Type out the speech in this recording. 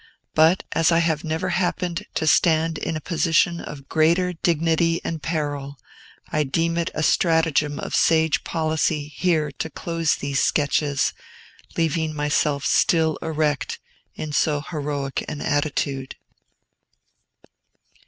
But, as I have never happened to stand in a position of greater dignity and peril, I deem it a stratagem of sage policy here to close these Sketches, leaving myself still erect in so heroic an attitude.